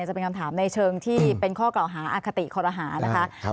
จะเป็นคำถามในเชิงที่เป็นข้อกล่าวหาอคติคอรหานะคะ